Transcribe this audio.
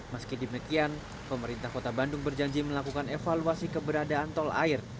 meski demikian pemerintah kota bandung berjanji melakukan evaluasi keberadaan tol air